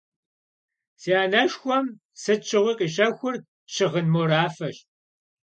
Си анэшхуэм сыт щыгъуи къищэхур щыгъын морафэщ.